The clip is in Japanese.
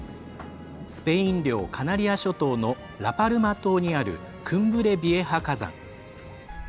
スペイン領カナリア諸島のラパルマ島にあるクンブレビエハ火山。